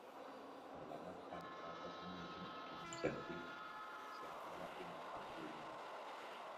Ababaka ba gavumenti mu kitundu kyaffe yabadde mukambwe nnyo.